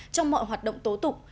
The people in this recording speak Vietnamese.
trong mọi hoạt động tố tục